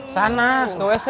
sana ke wc